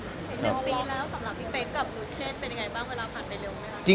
๑ปีแล้วสำหรับพี่เฟ็คกับหนุเชศเป็นยังไงบ้างเวลาผ่านไปเร็วมั้ยครับ